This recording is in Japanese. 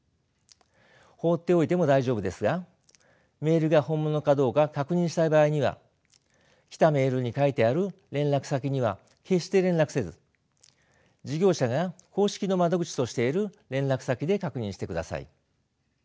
放っておいても大丈夫ですがメールが本物かどうか確認したい場合には来たメールに書いてある連絡先には決して連絡せず事業者が公式の窓口としている連絡先で確認してください。